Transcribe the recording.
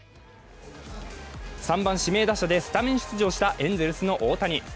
３番・指名打者でスタメン出場したエンゼルスの大谷。